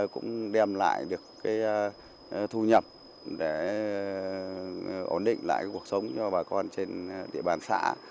cũng đem lại được thu nhập để ổn định lại cuộc sống cho bà con trên địa bàn xã